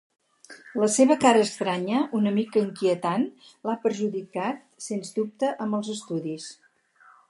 La seva cara estranya, una mica inquietant, l'ha perjudicat sens dubte amb els estudis.